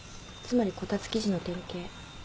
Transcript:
つまりこたつ記事の典型。